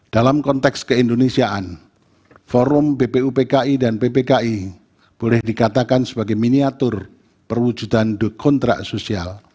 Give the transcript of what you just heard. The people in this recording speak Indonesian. dalam konteks keindonesiaan forum bpupki dan ppki boleh dikatakan sebagai miniatur perwujudan kontrak sosial